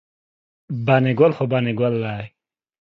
بانی ګل خو بانی ګل داي